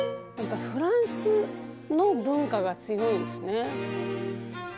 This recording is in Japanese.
フランスの文化が強いんですね。